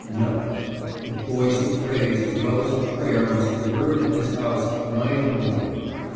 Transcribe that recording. No ! the voice of praise as well as of prayer must be heard in his house night and morning.